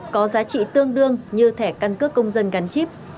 có giá trị tương đương như thẻ căn cước công dân gắn chip